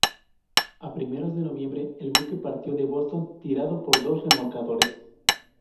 A primeros de noviembre el buque partió de Boston tirado por dos remolcadores.